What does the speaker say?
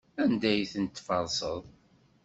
Anda ay tent-tferseḍ?